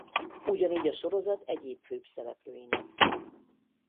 Ugyanígy a sorozat egyéb főbb szereplőinek.